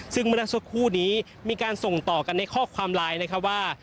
ซึ่งเมื่อสักครู่นี้มีการส่งต่อกันในข้อความไลน์นะครับว่า